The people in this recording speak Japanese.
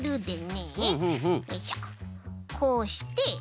こうして。